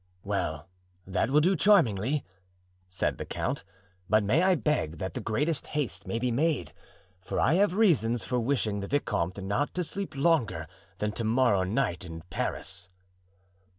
"Well, that will do charmingly," said the count; "but may I beg that the greatest haste may be made, for I have reasons for wishing the vicomte not to sleep longer than to morrow night in Paris!"